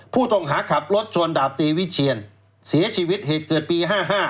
ผู้ต้องหาขับรถชนดาบตีวิเชียนเสียชีวิตเหตุเกิดปี๕๕